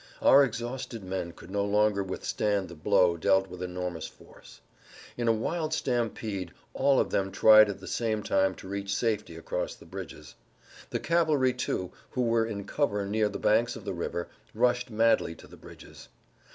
Our exhausted men could no longer withstand the blow dealt with enormous force. In a wild stampede all of them tried at the same time to reach safety across the bridges. The cavalry, too, who were in cover near the banks of the river, rushed madly to the bridges.